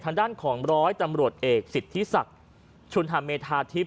ทางด้านของร้อยตำรวจเอกสิทธิศักดิ์ชุนหาเมธาทิพย